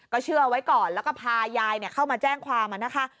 เชื่อไว้ก่อนแล้วก็พายายเข้ามาแจ้งความนะคะ